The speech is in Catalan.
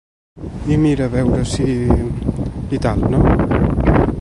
I mira a veure si… i tal, no?.